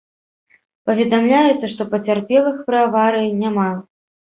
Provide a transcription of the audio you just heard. Паведамляецца, што пацярпелых пры аварыі няма.